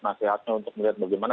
nasihatnya untuk melihat bagaimana